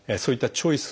チョイス！